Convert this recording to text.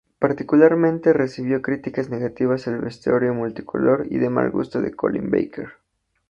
Particularmente recibió críticas negativas el vestuario multicolor y de mal gusto de Colin Baker.